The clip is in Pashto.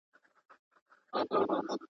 د هېروډوتس پر دې وينا کښېښووئ